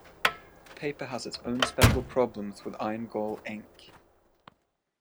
Paper has its own special problems with iron gall ink.